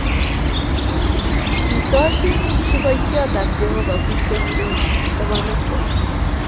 Kisochi kiboityotab jehovah biik chekibet sobonwekkwai